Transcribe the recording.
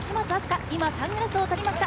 加、今サングラスを取りました。